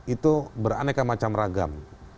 itu beraneka macam ragam